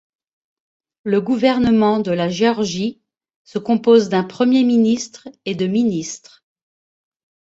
Le gouvernement de la Géorgie se compose d'un Premier ministre et de ministres.